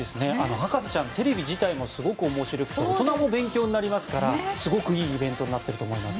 「博士ちゃん」テレビ自体もすごく面白くて大人も勉強になりますからすごくいいイベントになっていると思います。